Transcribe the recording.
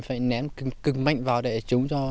phải ném cứng mạnh vào để trúng cho